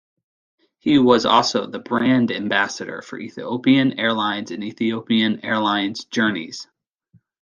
He was also the "Brand Ambassador" for Ethiopian Airlines and Ethiopian Airlines Journeys.